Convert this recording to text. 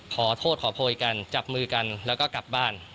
ขอโทษขอโพยกันจับมือกันแล้วก็กลับบ้าน